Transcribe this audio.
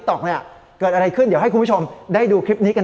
ต๊อกเนี่ยเกิดอะไรขึ้นเดี๋ยวให้คุณผู้ชมได้ดูคลิปนี้กัน